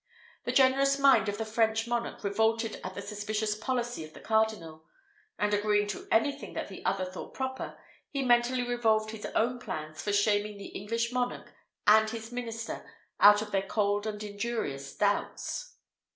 The generous mind of the French monarch revolted at the suspicious policy of the cardinal; and agreeing to anything that the other thought proper, he mentally revolved his own plans for shaming the English monarch and his minister out of their cold and injurious doubts.